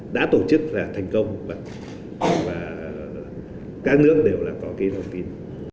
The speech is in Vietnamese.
đã tổ chức là thành công và các nước đều là có cái lòng tin